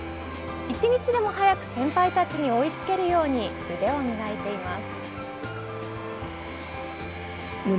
一日でも早く先輩たちに追いつけるように腕を磨いています。